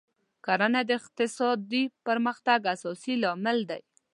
کرنه د اقتصادي پرمختګ اساسي لامل دی.